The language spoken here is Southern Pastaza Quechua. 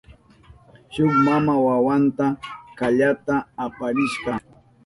Shuk maman wawanta kallata aparishka.